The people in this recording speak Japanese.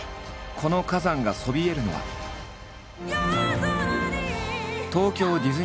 この火山がそびえるのは東京ディズニーシー。